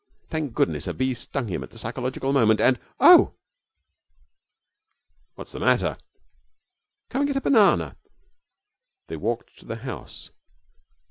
Thank goodness, a bee stung him at the psychological moment, and Oh!' 'What's the matter?' 'Come and get a banana.' They walked to the house.